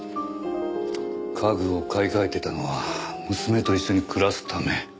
家具を買い替えてたのは娘と一緒に暮らすため。